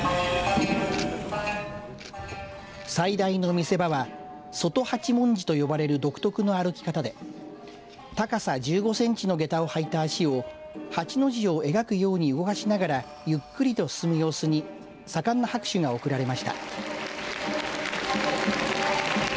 最大の見せ場は外八文字と呼ばれる独特の歩き方で高さ１５センチのげたを履いた足を八の字を描くように動かしながらゆっくりと進む様子に盛んな拍手が送られました。